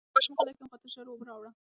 زه به ماشوم غلی کړم، خو ته ژر اوبه راوړه.